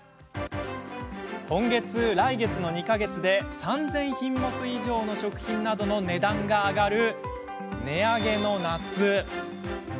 今月、来月の２か月で３０００品目以上の食品などの値段が上がる、値上げの夏。